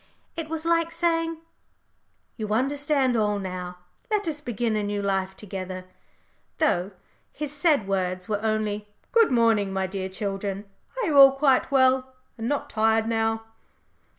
It was like saying, "You understand all now. Let us begin a new life together;" though his said words were only, "Good morning, my dear children. Are you all quite well and not tired now?"